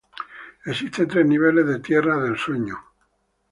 Existen tres niveles de Tierras del Sueño.